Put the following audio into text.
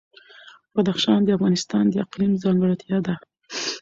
بدخشان د افغانستان د اقلیم ځانګړتیا ده.